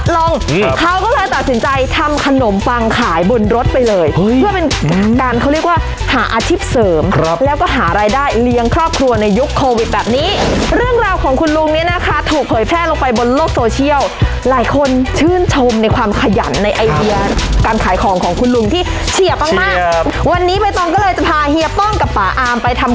ลองเขาก็เลยตัดสินใจทำขนมปังขายบนรถไปเลยเพื่อเป็นการเขาเรียกว่าหาอาชีพเสริมครับแล้วก็หารายได้เลี้ยงครอบครัวในยุคโควิดแบบนี้เรื่องราวของคุณลุงเนี่ยนะคะถูกเผยแพร่ลงไปบนโลกโซเชียลหลายคนชื่นชมในความขยันในไอเดียการขายของของคุณลุงที่เฉียบมากมากครับวันนี้ใบตองก็เลยจะพาเฮียป้องกับป่าอามไปทำ